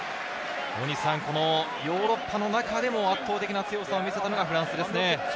ヨーロッパの中でも圧倒的な強さを見せたのがフランスですね。